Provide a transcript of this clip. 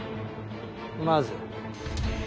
まず。